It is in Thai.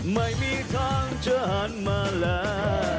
ไม่มีทางจะหันมาแล้ว